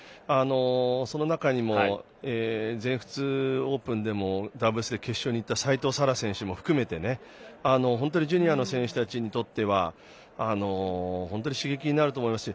その中にも、全仏オープンでもダブルスで決勝に行ったさいとうさら選手も含めてジュニアの選手にたちにとっては刺激になると思いますし。